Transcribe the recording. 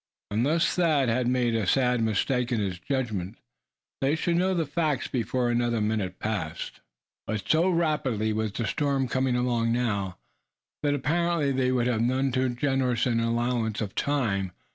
Unless Thad had made a sad mistake in his judgment, they should know the facts before another minute passed. But so rapidly was the storm coming along now, that apparently they would have none too generous an allowance of time.